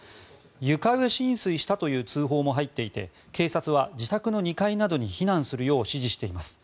床上浸水したという通報も入っていて警察は自宅の２階などに避難するよう指示しています。